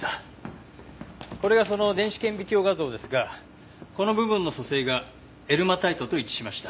これがその電子顕微鏡画像ですがこの部分の組成がエルマタイトと一致しました。